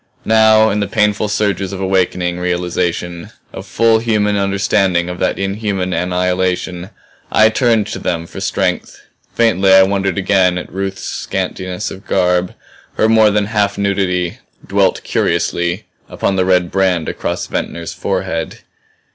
Now in the painful surges of awakening realization, of full human understanding of that inhuman annihilation, I turned to them for strength. Faintly I wondered again at Ruth's scantiness of garb, her more than half nudity; dwelt curiously upon the red brand across Ventnor's forehead.